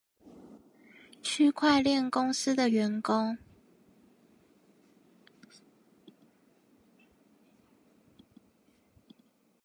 區塊鏈公司的員工